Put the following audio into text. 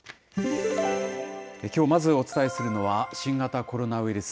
きょう、まずお伝えするのは新型コロナウイルス。